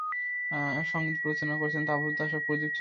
সঙ্গীত পরিচালনা করেছেন তাপস দাস এবং প্রদীপ চট্টোপাধ্যায়।